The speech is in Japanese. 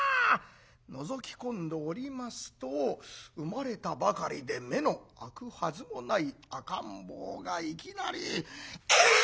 のぞき込んでおりますと生まれたばかりで目の開くはずもない赤ん坊がいきなり「ぎゃっ！」。